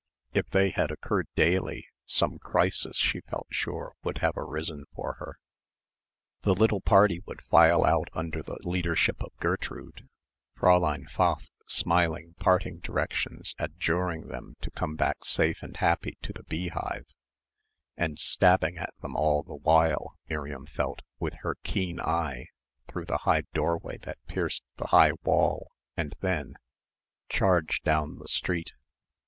If they had occurred daily, some crisis, she felt sure would have arisen for her. The little party would file out under the leadership of Gertrude Fräulein Pfaff smiling parting directions adjuring them to come back safe and happy to the beehive and stabbing at them all the while, Miriam felt, with her keen eye through the high doorway that pierced the high wall and then charge down the street.